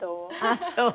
ああそう。